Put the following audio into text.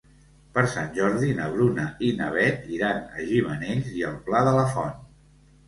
Per Sant Jordi na Bruna i na Beth iran a Gimenells i el Pla de la Font.